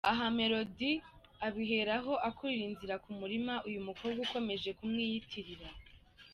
Aha Melody abiheraho akurira inzira ku murima uyu mukobwa ukomeje kumwiyitirira.